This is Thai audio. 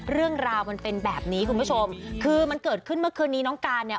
เรื่องราวมันเป็นแบบนี้คุณผู้ชมคือมันเกิดขึ้นเมื่อคืนนี้น้องการเนี่ย